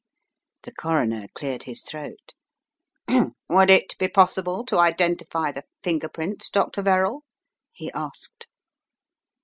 The Coroner cleared his throat. "Would it be possible to identify the finger prints, Dr. Verrall? " he asked.